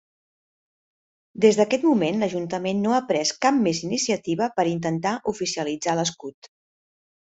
Des d'aquest moment, l'Ajuntament no ha pres cap més iniciativa per intentar oficialitzar l'escut.